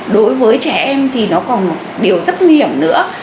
đối với trẻ em thì nó còn một điều rất nguy hiểm nữa